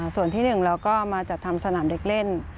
ส่วนที่๑เราก็มาจัดทำสนามเด็กเล่น